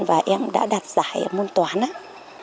và em đã đạt được một trường hợp